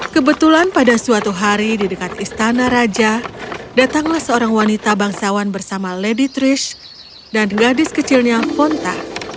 kebetulan pada suatu hari di dekat istana raja datanglah seorang wanita bangsawan bersama lady trish dan gadis kecilnya fonta